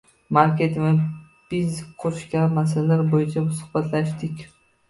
Marketing va biznes qurish kabi masalalar bo'yicha suhbatlashdik